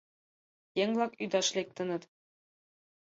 Еҥ-влак ӱдаш лектыныт.